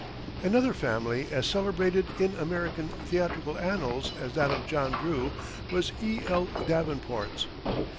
Another family as celebrated in American theatrical annals as that of John Drew was E. L. Davenport's.